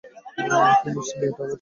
কী মিষ্টি মেয়েটা আমার!